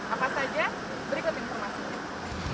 apa saja berikut informasinya